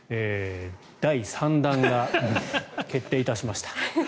第３弾が決定いたしました。